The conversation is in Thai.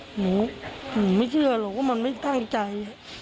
หนูไม่เชื่อหรอกว่ามันไม่ตั้งใจ